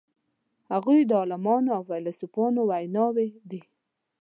هغوی د عالمانو او فیلسوفانو ویناوی دي.